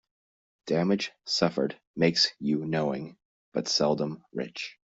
Damage suffered makes you knowing, but seldom rich.